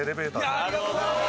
ありがとうございます！